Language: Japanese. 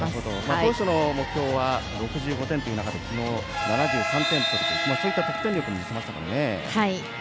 当初の目標は６５点という中で昨日、７３点と得点力も見せましたからね。